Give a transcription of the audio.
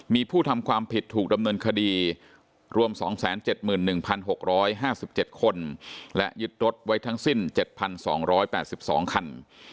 มีผู้ทำความผิดถูกดำเนินคดีรวม๒๗๑๖๕๗คนและยึดรถไว้ทั้งสิ้น๗๒๘๒คัน